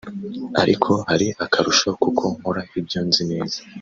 ariko hari akarusho k’uko nkora ibyo nzi neza